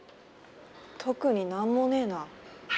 特に何もねぇな。